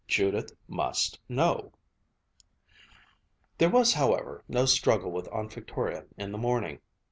Judith must know!" There was, however, no struggle with Aunt Victoria in the morning.